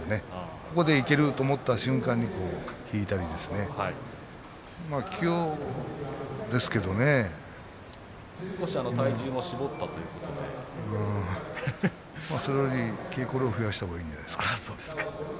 ここでいけると思った瞬間に引いたり、少し体重も絞ったそれより稽古量を増やしたほうがいいんじゃないですか。